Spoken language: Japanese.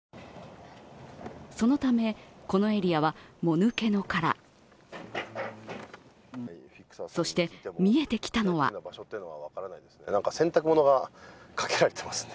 そのため、このエリアはもぬけの殻そして、見えてきたのは洗濯物がかけられてますね。